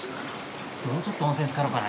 もうちょっと温泉つかろうかな。